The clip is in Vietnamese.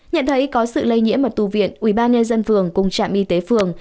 nhận thấy có sự lây nhiễm ở tu viện ubnd dân phường cùng trạm y tế phường